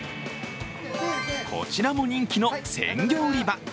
こちらも人気の鮮魚売り場。